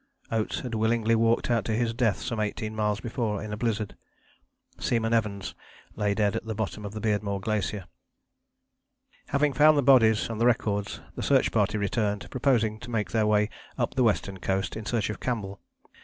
Oates had willingly walked out to his death some eighteen miles before in a blizzard. Seaman Evans lay dead at the bottom of the Beardmore Glacier. Having found the bodies and the records the Search Party returned, proposing to make their way up the Western Coast in search of Campbell.